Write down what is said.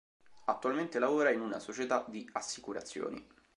Attualmente lavora in una società di assicurazioni.